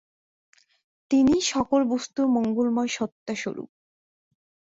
তিনিই সকল বস্তুর মঙ্গলময় সত্তাস্বরূপ।